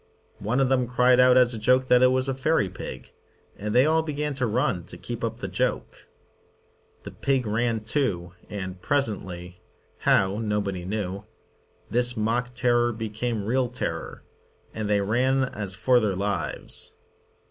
One of them cried out as a joke that it was a fairy pig, and they all began to run to keep up the joke. The pig ran too, and presently, how nobody knew, this mock terror became real terror, and they ran as for their lives.